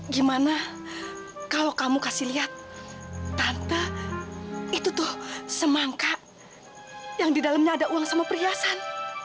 gimana kalau kamu kasih lihat tante itu tuh semangka yang di dalamnya ada uang sama perhiasan